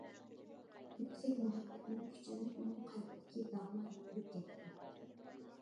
يۈكسەك مۇھەببەتنىڭ كۈچىدىن ئۇنىڭ قەلبىدىكى داغلار يۇيۇلۇپ كەتتى.